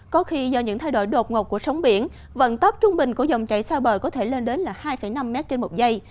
có khi do những thay đổi đột ngột của sóng biển vận tốc trung bình của dòng chảy xa bờ có thể lên đến là hai năm mét trên một giây